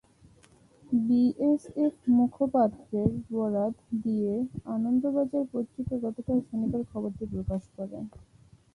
BSF মুখপাত্রের বরাত দিয়ে আনন্দবাজার পত্রিকা গতকাল শনিবার খবরটি প্রকাশ করে।